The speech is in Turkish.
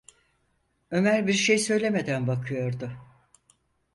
Ömer bir şey söylemeden bakıyordu.